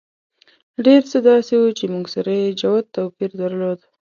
ډېر څه داسې وو چې موږ سره یې جوت توپیر درلود.